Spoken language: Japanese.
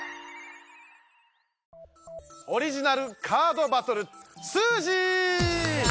オリジナルカードバトル「スージー！」。